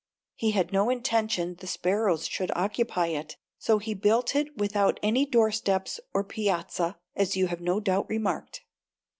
He had no intention the sparrows should occupy it, so he built it without any doorsteps or piazza, as you have no doubt remarked."